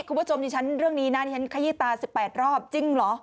คุณผู้ชมที่ชั้นเรื่องนี้นานเห็นขยิตา๑๘รอบจริงหรอ